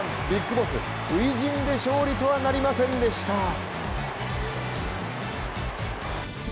ビッグボス、初陣で勝利とはなりませんでした。